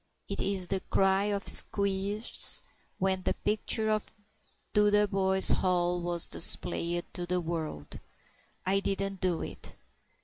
It is the cry of Squeers when the picture of Dotheboys Hall was displayed to the world: "I didn't do it."